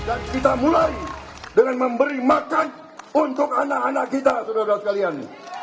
kita mulai dengan memberi makan untuk anak anak kita saudara saudara sekalian